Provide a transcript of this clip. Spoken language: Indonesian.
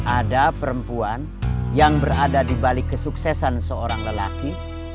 ada perempuan yang berada di balik kesuksesan seorang lelaki